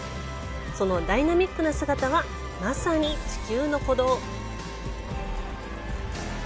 そのダイナミックな姿はまさに地球の鼓動。